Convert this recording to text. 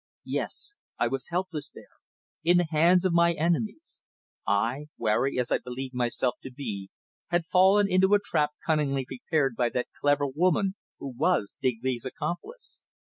Yes. I was helpless there, in the hands of my enemies. I, wary as I believed myself to be, had fallen into a trap cunningly prepared by that clever woman who was Digby's accomplice.